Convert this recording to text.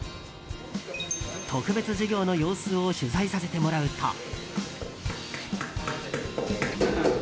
特別授業の様子を取材させてもらうと。